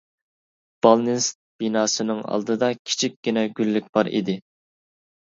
بالنىست بىناسىنىڭ ئالدىدا كىچىككىنە گۈللۈك بار ئىدى.